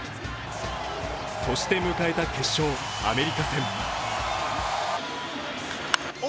そして迎えた決勝・アメリカ戦。